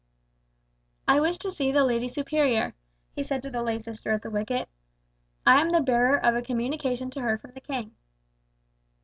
"I wish to see the lady superior," he said to the lay sister at the wicket. "I am the bearer of a communication to her from the king."